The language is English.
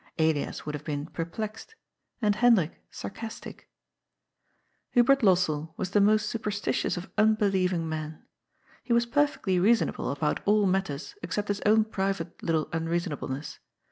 Elias would have been perplexed, and Hendrik sarcastic. Hubert Lossell was the most superstitious of unbelieving A STRANGE DUCK IN THE POND. 30I men. He was perfectly reasonable abont all matters except his own private little unreasonableness.